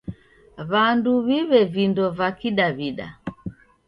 W'andu w'iw'e vindo va Kidaw'ida.